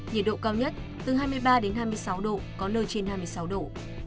nhiệt độ cao nhất từ hai mươi ba đến hai mươi sáu độ có nơi trên hai mươi sáu độ